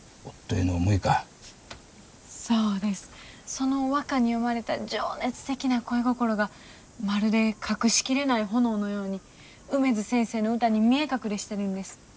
その和歌に詠まれた情熱的な恋心がまるで隠しきれない炎のように梅津先生の歌に見え隠れしてるんです。